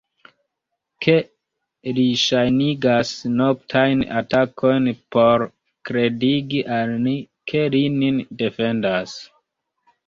Ke li ŝajnigas noktajn atakojn por kredigi al ni, ke li nin defendas?